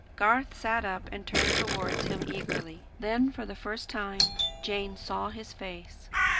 Garth sat up and turned towards him eagerly. Then, for the first time, Jane saw his face.